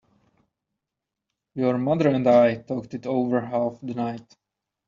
Your mother and I talked it over half the night.